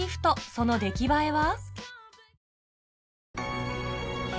その出来栄えは？